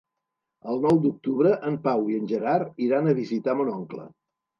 El nou d'octubre en Pau i en Gerard iran a visitar mon oncle.